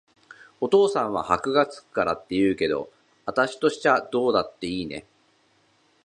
お父さんは箔が付くからって言うけど、あたしとしちゃどうだっていいね。